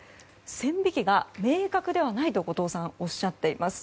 線引きが明確ではないと後藤さんはおっしゃっています。